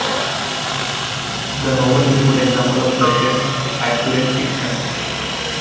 The novel is a good example of Russian accurate fiction.